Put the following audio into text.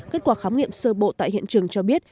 kết quả khám nghiệm sơ bộ tại hiện trường cho biết